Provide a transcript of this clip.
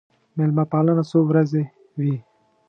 مېلمه پالنه څو ورځې وي.